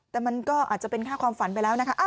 แต่มันก็อาจจะเป็นค่าความฝันไปแล้วนะคะ